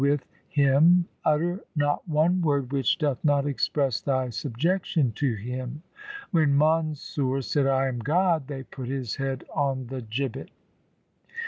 THE SIKH RELIGION Him, utter not one word which doth not express thy sub jection to Him. When Mansur said, I am God, they put his head on the gibbet.